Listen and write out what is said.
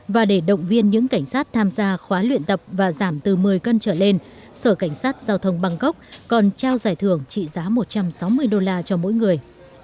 và để động viên những cảnh sát tham gia khóa luyện tập và giảm từ một mươi cân trở lên sở cảnh sát giao thông bangkok còn trao giải thưởng trị giá một trăm sáu mươi đô la cho mỗi người